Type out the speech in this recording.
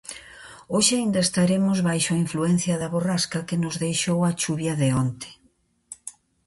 Hoxe aínda estaremos baixo a influencia da borrasca que nos deixou a chuvia de onte.